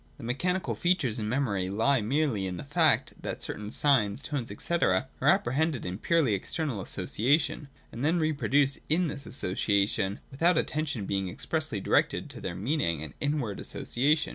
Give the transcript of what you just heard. The mechanical feature in memory lies merely in the fact that certain signs, tones, &c. are apprehended in their purely external association, and then reproduced in this association, without attention being expressly directed to their meaning and inward association.